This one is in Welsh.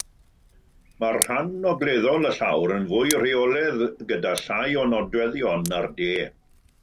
Mae rhan ogleddol y llawr yn fwy rheolaidd gyda llai o nodweddion na'r de.